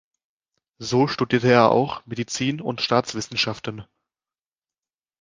So studierte er auch Medizin und Staatswissenschaften.